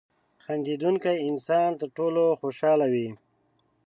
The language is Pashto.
• خندېدونکی انسان تر ټولو خوشحاله وي.